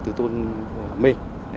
từ tôn mê